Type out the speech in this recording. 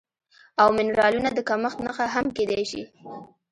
او منرالونو د کمښت نښه هم کیدی شي